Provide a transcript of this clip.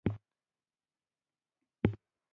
برښور یوه غرنۍ سیمه ده